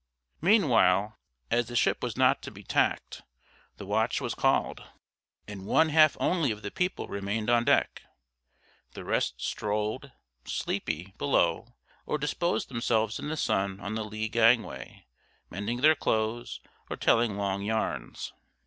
Meanwhile, as the ship was not to be tacked, the watch was called, and one half only of the people remained on deck. The rest strolled, sleepy, below; or disposed themselves in the sun on the lee gangway, mending their clothes, or telling long yarns.